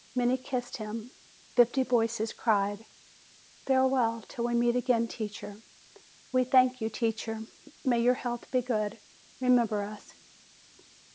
Many kissed him ; fifty voices cried : "Farewell until we meet again, teacher! We thank 34 8 JULY you, teacher ! May your health be good ! Remember us!"